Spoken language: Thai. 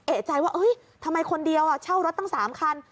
เอกใจว่าทำไมคนเดียวเช่ารถตั้ง๓คัน